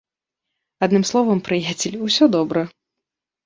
Адным словам, прыяцель, усё добра.